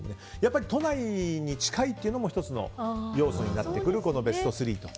都内に近いというのも１つの要素になってくるベスト３と。